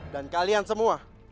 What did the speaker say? dan kalian semua